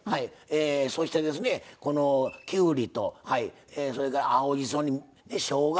そしてこのきゅうりとそれから青じそにしょうが。